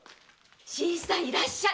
新さんいらっしゃい。